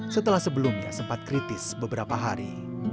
setelah sebelumnya sempat kritis beberapa hari